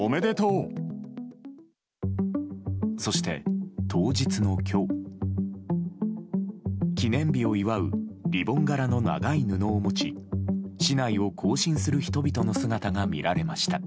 そして、当日の今日記念日を祝うリボン柄の長い布を持ち市内を行進する人々の姿が見られました。